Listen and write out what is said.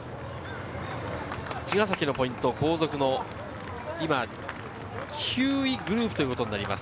茅ヶ崎のポイント、９位グループということになります。